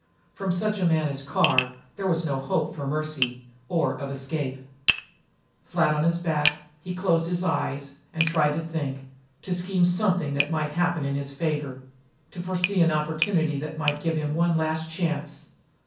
From such a man as Carr there was no hope for mercy, or of escape. Flat on his back, he closed his eyes, and tried to think to scheme something that might happen in his favor, to foresee an opportunity that might give him one last chance.